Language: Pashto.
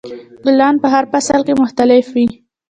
ګلان په هر فصل کې مختلف وي.